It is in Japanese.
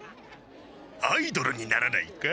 アイドルにならないか？